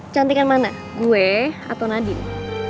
cantikan mana gue atau nadiem